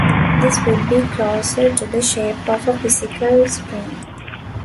This would be closer to the shape of a physical spring.